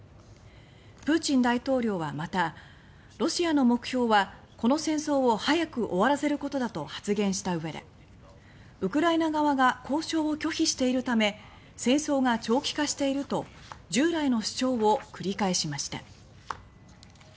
プーチン大統領はまたロシアの目標は「この戦争を早く終わらせることだ」と発言したうえでウクライナ側が交渉を拒否しているため戦争が長期化していると従来の主張を繰り返しました。